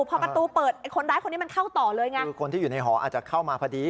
พอประตูเปิดไอ้คนร้ายคนนี้มันเข้าต่อเลยไงคือคนที่อยู่ในหออาจจะเข้ามาพอดี